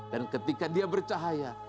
dan ketika dia bercahaya